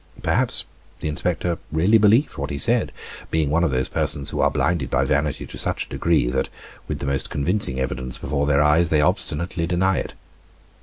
Perhaps the inspector really believed what he said, being one of those persons who are blinded by vanity to such a degree that, with the most convincing evidence before their eyes, they obstinately deny it.